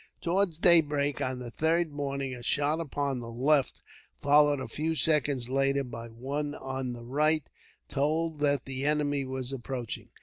Towards daybreak on the third morning a shot upon the left, followed a few seconds later by one on the right, told that the enemy were approaching.